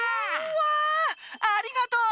うわありがとう！